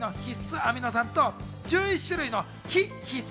アミノ酸と１１種類の非必須